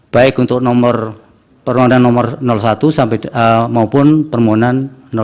baik untuk permohonan nomor satu maupun permohonan